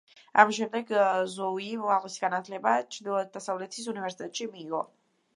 ამის შემდეგ ზოუიმ უმაღლესი განათლება ჩრდილოდასავლეთის უნივერსიტეტში მიიღო.